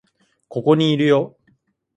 ここにいるよ